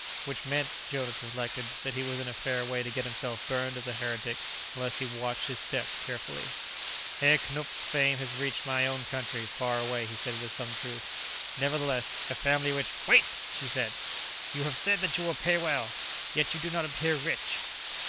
Which meant, Jonas reflected, that he was in a fair way to get himself burned as a heretic unless he watched his step carefully. "Herr Knupf's fame has reached my own country, far away," he said with some truth. "Nevertheless, a family which " "Wait," she said. "You have said that you will pay well. Yet you do not appear rich."